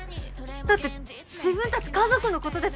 だって自分たち家族のことでしょ？